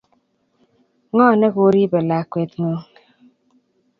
Ngo ne ko ripe lakwet ngug?